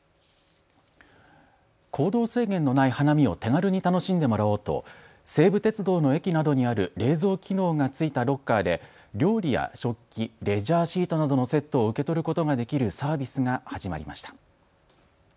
行動制限のない花見を手軽に楽しんでもらおうと西武鉄道の駅などにある冷蔵機能がついたロッカーで料理や食器、レジャーシートなどのセットを受け取ることができるサービスが始まりました。